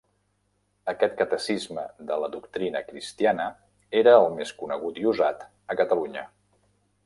Aquest catecisme de la doctrina cristiana era el més conegut i usat a Catalunya.